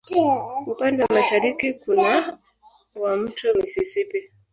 Upande wa mashariki kuna wa Mto Mississippi.